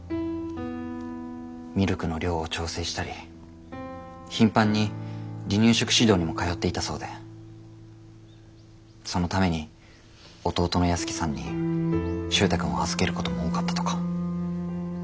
ミルクの量を調整したり頻繁に離乳食指導にも通っていたそうでそのために弟の泰樹さんに周太くんを預けることも多かったとか。